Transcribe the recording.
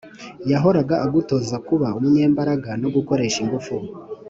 yahoraga agutoza kuba umunyembaraga no gukoresha ingufu